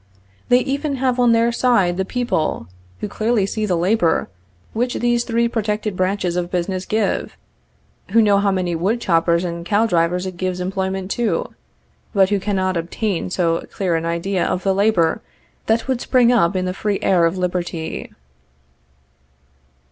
They even have on their side the people, who clearly see the labor which these three protected branches of business give, who know how many wood choppers and cow drivers it gives employment to, but who cannot obtain so clear an idea of the labor that would spring up in the free air of liberty.